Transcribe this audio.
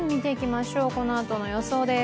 このあとの予想です。